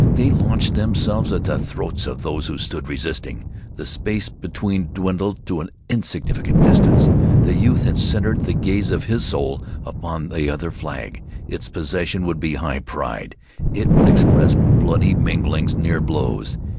They launched themselves as at the throats of those who stood resisting. The space between dwindled to an insignificant distance. The youth had centered the gaze of his soul upon that other flag. Its possession would be high pride. It would express bloody minglings, near blows.